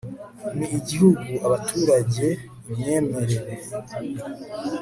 ni igihugu abaturage imyemerere